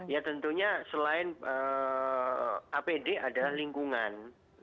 ya tentunya selain apd adalah lingkungan